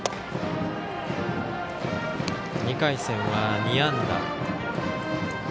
２回戦は２安打。